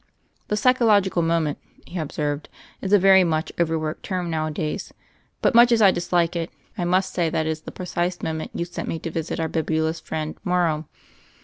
"The 'psychological moment,' " he observed, "is a very much overworked term nowadays; but, much as I dislike using it, I must say that is THE FAIRY OF THE SNOWS i8i the precise moment you sent me to visit our bibulous friend Morrow."